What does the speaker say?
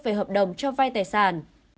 về hợp đồng cho vai tài sản